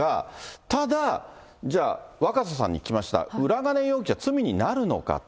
ただ、じゃあ若狭さんに聞きました、裏金要求は罪になるのかと。